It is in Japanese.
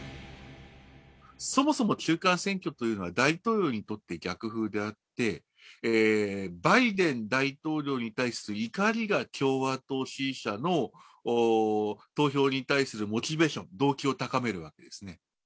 そもそも中間選挙というのは大統領にとって逆風であって、バイデン大統領に対する怒りが共和党支持者の投票に対するモチベーション、動機を高めるわけですね。